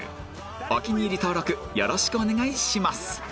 お気に入り登録よろしくお願いします